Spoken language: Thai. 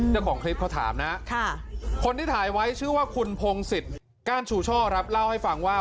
เจ้าของคลิปเขาถามนะคนที่ถ่ายไว้ชื่อว่าคุณพงศิษย์ก้านชูช่อครับเล่าให้ฟังว่า